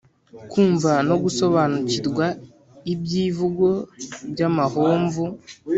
Kumva no gusobanukirwa ibyivugo by’amahomvu